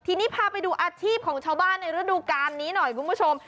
ทีนี้พาไปดูอาชีพของชาวบ้านในฤดูการนี้หน่อยคุณผู้ชม